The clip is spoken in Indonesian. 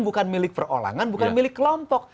bukan milik perorangan bukan milik kelompok